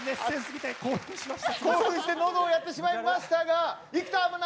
興奮して喉をやってしまいましたが生田アナ